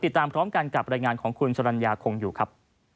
ติดตามพร้อมกันกับรายงานของคุณสรรญาคงอยู่ครับ